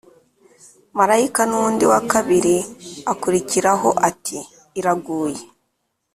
Marayika nundi wa kabiri akurikiraho ati: Iraguye,